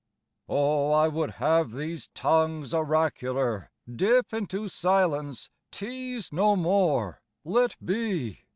OH, I would have these tongues oracular Dip into silence, tease no more, let be!